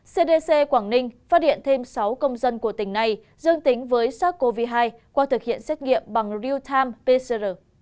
cdc quảng ninh phát hiện thêm sáu công dân của tỉnh này dương tính với sars cov hai qua thực hiện xét nghiệm bằng real time pcr